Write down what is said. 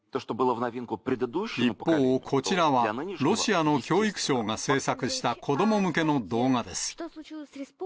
一方、こちらは、ロシアの教育省が制作した子ども向けの動画です。